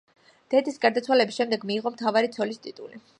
დედის გარდაცვალების შემდეგ მიიღო „მთავარი ცოლის“ ტიტული.